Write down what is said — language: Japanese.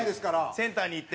センターに行って。